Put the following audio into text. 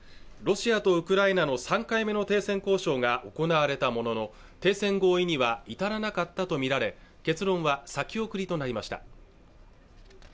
ロシアとウクライナの３回目の停戦交渉が行われたものの停戦合意には至らなかったとみられ結論は先送りとなりました